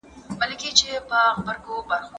ويل کېږي چي تېر هېواد په جګړو کي ونړېد او غرق سو.